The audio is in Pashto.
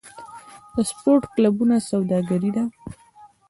د سپورت کلبونه سوداګري ده؟